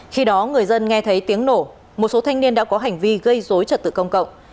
khi đó người dân nghe thấy tiếng nổ một số thanh niên đã có hành vi gây dối trật tự công cộng